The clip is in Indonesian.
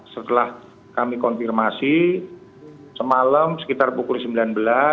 setelah kami konfirmasi semalam sekitar pukul sembilan belas